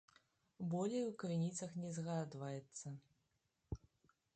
Болей у крыніцах не згадваецца.